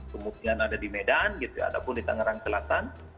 kemudian ada di medan gitu ada pun di tangerang selatan